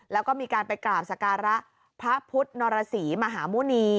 แล้วก็มีการไปกราบสการะพระพุทธนรสีมหาหมุณี